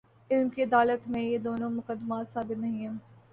علم کی عدالت میں، یہ دونوں مقدمات ثابت نہیں ہیں۔